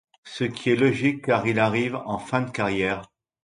Ce qui est logique car il arrive en fin de carrière.